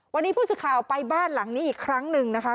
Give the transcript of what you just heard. วันนี้ผู้สื่อข่าวไปบ้านหลังนี้อีกครั้งหนึ่งนะคะ